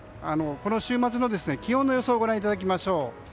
この週末の気温の予想をご覧いただきましょう。